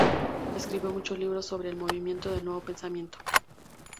Escribió muchos libros sobre el movimiento del Nuevo Pensamiento.